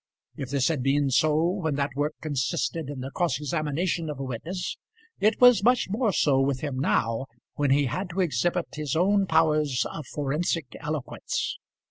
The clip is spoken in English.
If this had been so when that work consisted in the cross examination of a witness, it was much more so with him now when he had to exhibit his own powers of forensic eloquence.